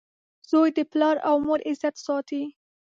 • زوی د پلار او مور عزت ساتي.